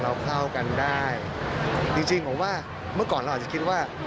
เข้ากันได้จริงจริงผมว่าเมื่อก่อนเราอาจจะคิดว่า